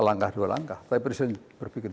langkah dua langkah tapi presiden berpikir